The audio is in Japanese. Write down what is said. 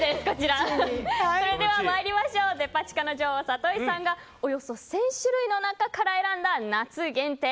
参りましょうデパ地下の女王、里井さんがおよそ１０００種類の中から選んだ夏限定！